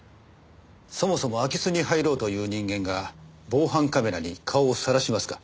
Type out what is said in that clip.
そもそも空き巣に入ろうという人間が防犯カメラに顔をさらしますか？